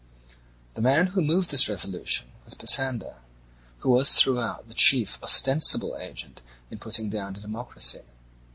The man who moved this resolution was Pisander, who was throughout the chief ostensible agent in putting down the democracy.